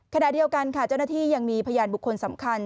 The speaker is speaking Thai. ขณะเดียวกันค่ะเจ้าหน้าที่ยังมีพยานบุคคลสำคัญ